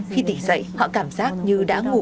khi tỉ dậy họ cảm giác như đã ngủ